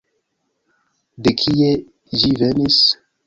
De kie ĝi venis?